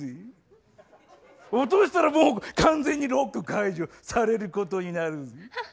落としたらもう完全にロック解除されることになるぜ。